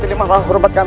terima kasih hormat kami